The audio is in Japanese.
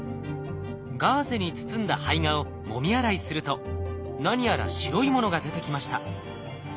ガーゼに包んだ胚芽をもみ洗いすると何やら白いものが出てきました。